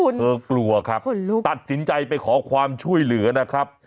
เธอกลัวครับตัดสินใจไปขอความช่วยเหลือนะครับ